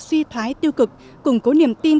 suy thoái tiêu cực củng cố niềm tin